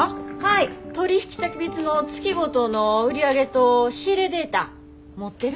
取引先別の月ごとの売り上げと仕入れデータ持ってる？